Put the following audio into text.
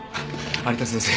有田先生